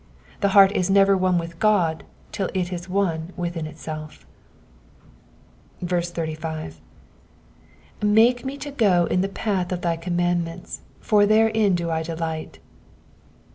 The heart is never one with God till it is one within Itself. 85. ^''Make me to go in the path of thy commandments; for therein do I delight.'''